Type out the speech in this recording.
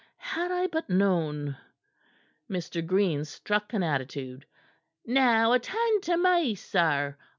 Had I but known " Mr. Green struck an attitude. "Now attend to me, sir!